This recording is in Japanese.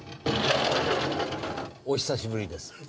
お久しぶりです。